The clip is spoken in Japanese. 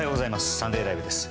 「サンデーＬＩＶＥ！！」です。